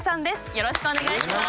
よろしくお願いします。